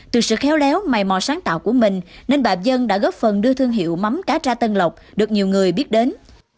từ sự khéo léo mầy mò sáng tạo của mình nên bà dân đã góp phần đưa thương hiệu mắm cá tra tân lộc được nhiều người biết đến